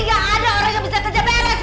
nggak ada orang yang bisa kerja benar sekarang